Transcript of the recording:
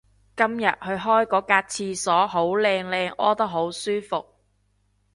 今日去開嗰格廁所好靚靚屙得好舒服